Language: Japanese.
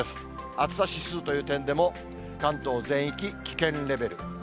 暑さ指数という点でも、関東全域、危険レベル。